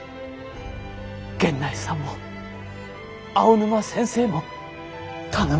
源内さんも青沼先生も田沼様も。